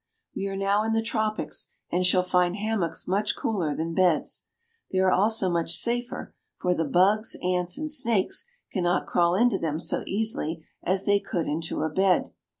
We are now in the tropics, and shall find hammocks much cooler than beds. They are also much safer, for the bugs, ants, and snakes cannot crawl into them so easily as they could into a bed.